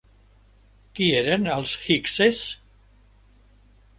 Qui eren els hikses?